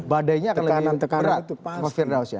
badainya akan lebih berat pak firdaus ya